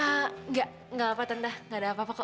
enggak enggak apa tante gak ada apa apa kok